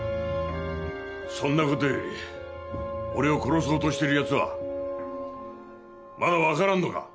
そんな事より俺を殺そうとしている奴はまだわからんのか？